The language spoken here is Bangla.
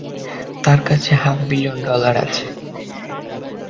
তার কাছে হাফ বিলিয়ন ডলার আছে।